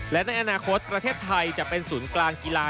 และในอนาคตประเทศไทยจะเป็นศูนย์กลางกีฬา